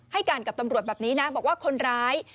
ให้การกับตำรวจแบบนี้นะบอกว่าคนร้าย